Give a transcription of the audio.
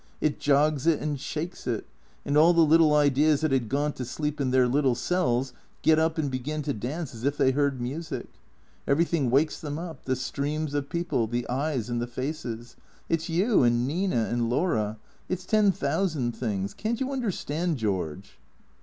It jogs it and shakes it; and all the little ideas that had gone to sleep in their little cells get up and begin to dance as if they heard music. Everything wakes them up, the streams of people, the eyes and the faces. It's you and Nina and Laura. It's ten thousand things. Can't you understand, George